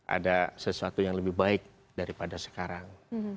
ada sesuatu yang lebih baik daripada sekarang